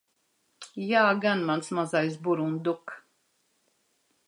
Jā gan, mans mazais burunduk.